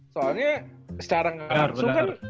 soalnya secara langsung kan